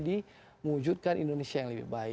diwujudkan indonesia yang lebih baik